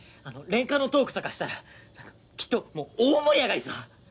レンカノトークとかしたらなんかきっともう大盛り上がりさ！